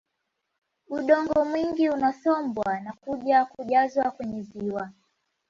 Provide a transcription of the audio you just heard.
Udongo mwingi unasombwa na kuja kujazwa kwenye ziwa